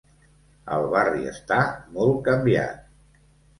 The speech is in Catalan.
El barri està molt canviat.